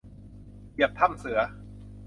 เหยียบถ้ำเสือ